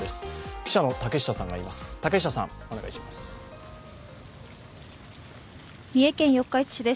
記者の竹下さん、お願いします。